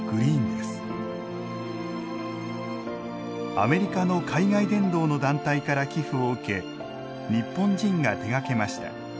アメリカの海外伝道の団体から寄付を受け日本人が手がけました。